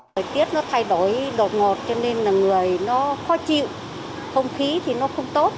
thời tiết nó thay đổi đột ngột cho nên là người nó khó chịu không khí thì nó không tốt